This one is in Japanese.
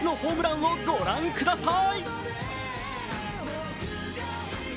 その伝説のホームランをご覧ください。